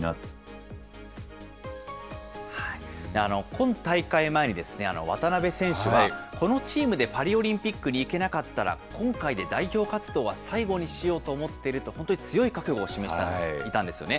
今大会前に、渡邊選手はこのチームでパリオリンピックに行けなかったら、今回で代表活動は最後にしようと思っていると、本当に強い覚悟を示していたんですよね。